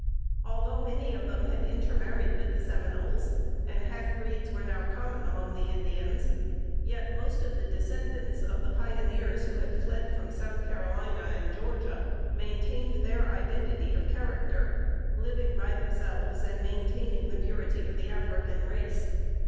Although many of them had intermarried with the Seminoles, and half breeds were now common among the Indians; yet most of the descendants of the pioneers who fled from South Carolina and Georgia maintained their identity of character, living by themselves, and maintaining the purity of the African race.